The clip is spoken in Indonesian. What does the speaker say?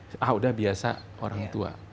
sudah biasa orang tua